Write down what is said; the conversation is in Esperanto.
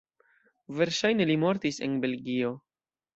Verŝajne li mortis en Belgio.